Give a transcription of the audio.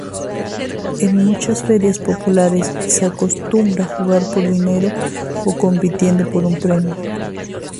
En muchas ferias populares se acostumbra jugar por dinero o compitiendo por un premio.